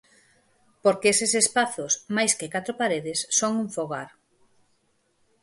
Porque eses espazos, máis que catro paredes, son un fogar.